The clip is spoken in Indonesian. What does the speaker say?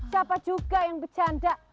siapa juga yang bercanda